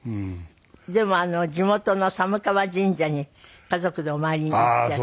でも地元の寒川神社に家族でお参りに行っていらしたんでしょ？